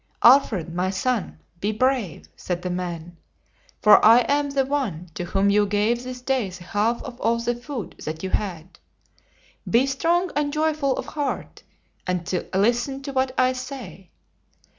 "Alfred, my son, be brave," said the man; "for I am the one to whom you gave this day the half of all the food that you had. Be strong and joyful of heart, and listen to what I say.